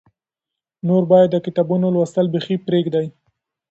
نور باید د کتابونو لوستل بیخي پرېږدې.